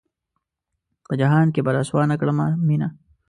پۀ جهان کښې به رسوا نۀ کړمه مينه